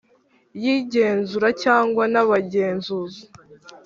Y igenzura cyangwa n abagenzuzi